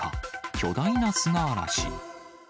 巨大な砂嵐。